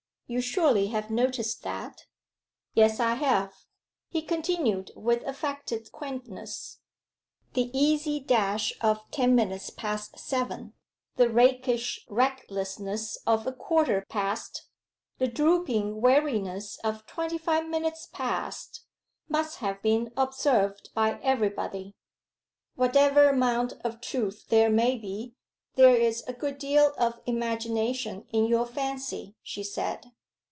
You surely have noticed that?' 'Yes, I have.' He continued with affected quaintness: 'The easy dash of ten minutes past seven, the rakish recklessness of a quarter past, the drooping weariness of twenty five minutes past, must have been observed by everybody.' 'Whatever amount of truth there may be, there is a good deal of imagination in your fancy,' she said.